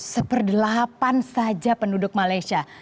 seper delapan saja penduduk malaysia